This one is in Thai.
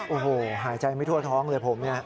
โอ้โหหายใจไม่ทั่วท้องเลยผมเนี่ย